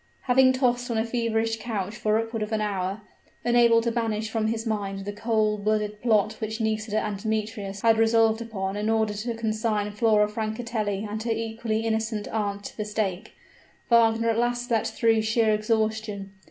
Having tossed on a feverish couch for upward of an hour, unable to banish from his mind the cold blooded plot which Nisida and Demetrius had resolved upon in order to consign Flora Francatelli and her equally innocent aunt to the stake, Wagner at last slept through sheer exhaustion.